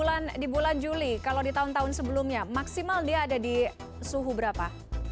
bulan di bulan juli kalau di tahun tahun sebelumnya maksimal dia ada di suhu berapa